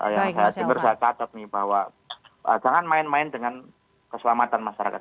yang saya katakan nih bahwa jangan main main dengan keselamatan masyarakat